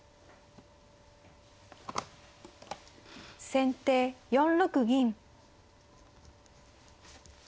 先手４六銀。